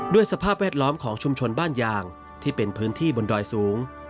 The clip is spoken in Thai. สภาพแวดล้อมของชุมชนบ้านยางที่เป็นพื้นที่บนดอยสูง